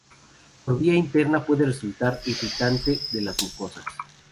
Por vía interna puede resultar irritante de las mucosas.